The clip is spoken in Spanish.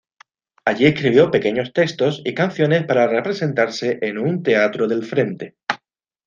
Allí escribió pequeños textos y canciones para representarse en un teatro del frente.